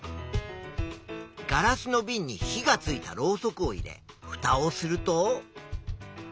ガラスのビンに火がついたろうそくを入れフタをすると。